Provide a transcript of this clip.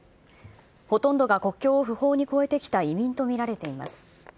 ほとんどが国境を不法に越えてきた移民と見られています。